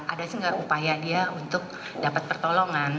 ada sih nggak upaya dia untuk dapat pertolongan